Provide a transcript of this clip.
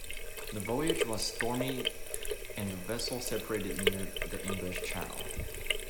The voyage was stormy and the vessels separated near the English Channel.